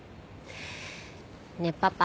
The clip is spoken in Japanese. ねえパパ。